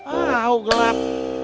ah aw gelap